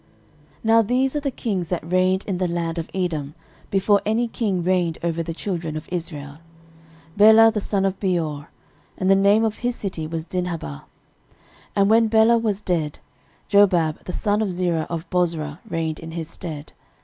13:001:043 Now these are the kings that reigned in the land of Edom before any king reigned over the children of Israel; Bela the son of Beor: and the name of his city was Dinhabah. 13:001:044 And when Bela was dead, Jobab the son of Zerah of Bozrah reigned in his stead.